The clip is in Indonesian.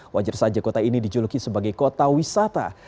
wajar saja kota ini dijuluki sebagai kota wisata